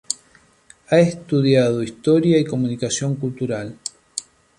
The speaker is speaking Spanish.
Ha estudiado Historia y Comunicación Cultural.